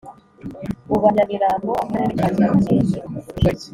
uba Nyamirambo Akarere ka Nyarugenge